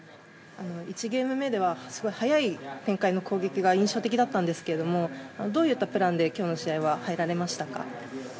１ゲーム目では早い展開の攻撃が印象的だったんですけれどもどういったプランで今日の試合は入られましたか？